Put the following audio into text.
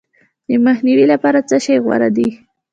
د مخنیوي لپاره څه شی غوره دي؟